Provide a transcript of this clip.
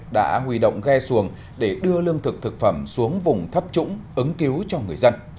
đã huy động ghe xuồng để đưa lương thực thực phẩm xuống vùng thấp trũng ứng cứu cho người dân